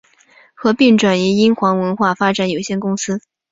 合并移转英皇文化发展有限公司。